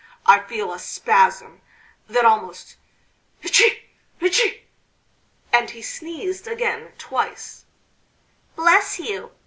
I feel a spasm, that almost.... Etci! etci!" and he sneezed again twice. "Bless you!"